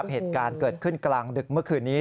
เหตุการณ์เกิดขึ้นกลางดึกเมื่อคืนนี้